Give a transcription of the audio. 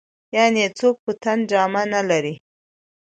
يعنې څوک په تن جامه نه لري.